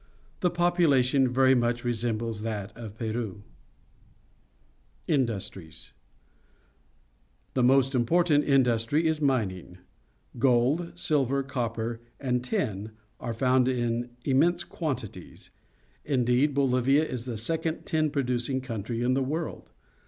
The population very much resembles that of Peru. 158 PUBLIC SCHOOL GEOGR.\PHY Industries. — The most important indus try is mining. Gold, silver, copper, and tin are found in immense quantities; indeed, Bolivia is the second tin producing country in the world.